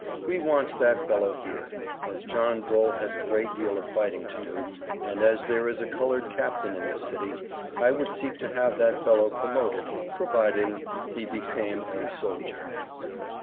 We wants that fellow here, as John Bull has a great deal of fighting to do, and as there is a colored Captain in this city, I would seek to have that fellow Promoted, Provided he became a soldier.